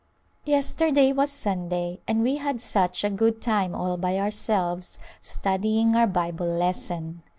Yesterday was Sunday, and we had such a good time all by ourselves studying our Bible lesson.